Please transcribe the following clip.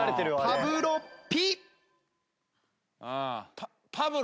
パブロピ。